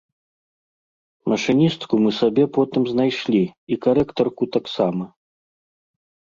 Машыністку мы сабе потым знайшлі і карэктарку таксама.